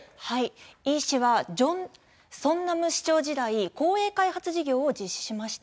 イ氏はソンナム市長時代、公営開発事業を実施しました。